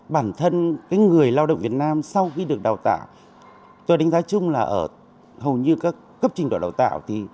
bản thân người lao động việt nam sau khi được đào tạo tôi đánh giá chung là ở hầu như các cấp trình độ đào tạo